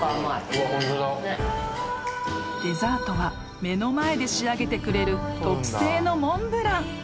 ［デザートは目の前で仕上げてくれる特製のモンブラン］